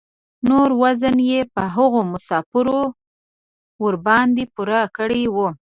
نور وزن یې په هغو مسافرو ورباندې پوره کړی و.